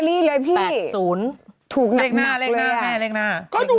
นั้นถูก